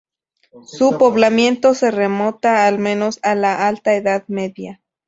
Su poblamiento se remonta al menos a la alta edad media.